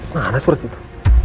mana surat itu